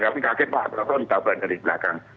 kami kaget pak prabowo ditabrak dari belakang